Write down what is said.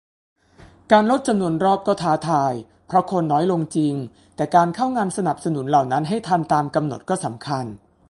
การลดจำนวนรอบก็ท้าทาย เพราะคนน้อยลงจริง แต่การเข้างานสนับสนุนเหล่านั้นให้ทันตามกำหนดก็สำคัญ